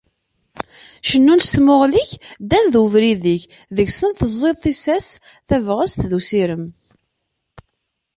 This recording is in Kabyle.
Cennun s tmuɣli-k, ddan d ubrid-ik, deg-sen teẓẓiḍ tissas, tabɣest, d usirem.